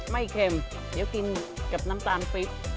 เค็มเดี๋ยวกินกับน้ำตาลพริก